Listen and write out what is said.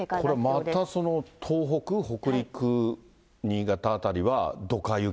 これまた東北、北陸、新潟辺りはドカ雪。